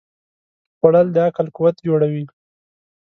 خوړل د عقل قوت جوړوي